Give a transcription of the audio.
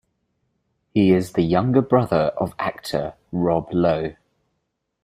He is the younger brother of actor Rob Lowe.